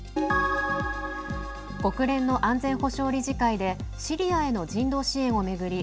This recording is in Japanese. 国連の安全保障理事会でシリアへの人道支援を巡り